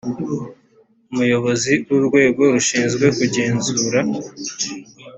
umuyobozi w urwego rushinzwe kugenzura